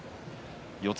四つ